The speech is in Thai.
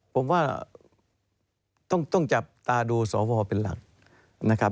ผมว่าต้องจับตาดูสวเป็นหลักนะครับ